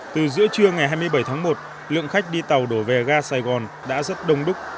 từ giữa trưa ngày hai mươi bảy tháng một lượng khách đi tàu đổ về ga sài gòn đã rất đông đúc